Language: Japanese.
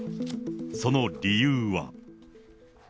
その理由は。